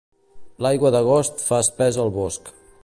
L'aigua d'agost fa espès el bosc.